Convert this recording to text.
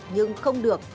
nhưng không được